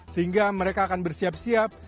sehingga mereka akan bersiap siap